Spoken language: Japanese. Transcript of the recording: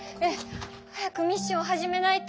早くミッションを始めないと。